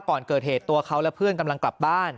ก่อนเกิดเหตุตัวเขาและเพื่อนกำลังกลับบ้าน